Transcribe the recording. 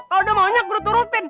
kalo udah maunya gue turutin